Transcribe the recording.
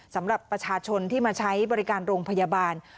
สำหรับประชาชนที่มาใช้บริการโรงพยาบาล